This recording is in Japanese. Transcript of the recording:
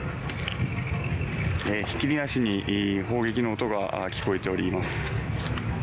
ひっきりなしに砲撃の音が聞こえております。